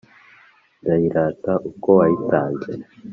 ndayirata uko wayitanze